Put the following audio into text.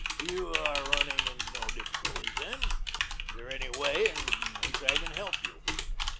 "You are running into no difficulties then? Is there any way in which I can help you?"